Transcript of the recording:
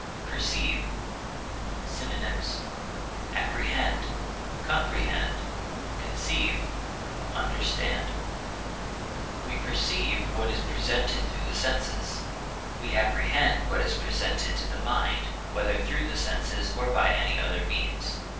PERCEIVE. Synonyms: apprehend, comprehend, conceive, understand. We perceive what is presented through the senses. We apprehend what is presented to the mind, whether through the senses or by any other means.